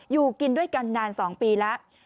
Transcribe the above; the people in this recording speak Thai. อยู่กินด้วยกันนาน๒ปีแล้ว